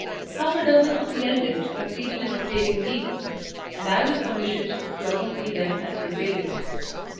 Half a dozen of the eldest succeeded in obtaining leave, and I was commissioned to accompany them as surveillant.